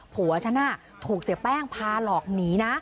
ผัวฉันถูกเสียแป้งพาหลอกหนีนะ